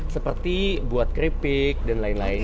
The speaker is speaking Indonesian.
seperti buat keripik dan lain lain